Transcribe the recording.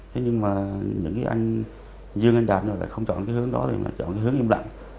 thế nhưng mà những cái anh dương anh đạt không chọn cái hướng đó mà chọn cái hướng im lặng